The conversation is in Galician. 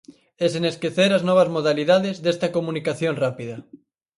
E sen esquecer as novas modalidades desta comunicación rápida.